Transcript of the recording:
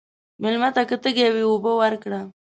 مېلمه ته که تږی وي، اوبه ورکړه.